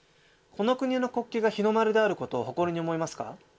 この国の国旗が日の丸であることを誇りに思いますか？